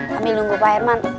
kami nunggu pak herman